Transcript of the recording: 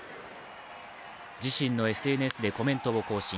自身のＳＮＳでコメントを更新。